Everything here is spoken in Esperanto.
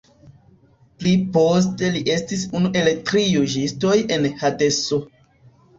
Pli poste li estis unu el tri juĝistoj en Hadeso.